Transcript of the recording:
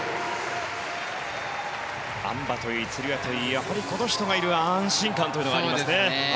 あん馬といい、つり輪といいこの人がいる安心感というのはありますね。